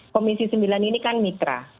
komisi sembilan ini kan mitra